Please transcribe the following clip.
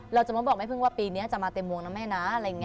เราจะมาบอกแม่เพิ่งว่าปีนี้จะมาเต็มวงนะแม่นะ